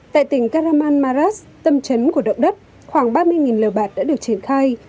tại tỉnh karaman maras tâm trấn của động đất khoảng ba mươi lều bạc đã được triển khai